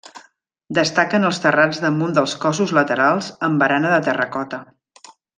Destaquen els terrats damunt dels cossos laterals amb barana de terracota.